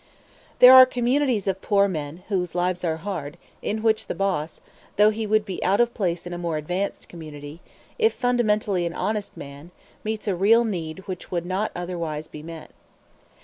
There are communities of poor men, whose lives are hard, in which the boss, though he would be out of place in a more advanced community, if fundamentally an honest man, meets a real need which would otherwise not be met.